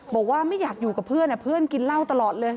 บอกว่าไม่อยากอยู่กับเพื่อนเพื่อนกินเหล้าตลอดเลย